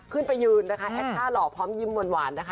ขึ้นไปยืนนะคะแอคท่าหล่อพร้อมยิ้มหวานนะคะ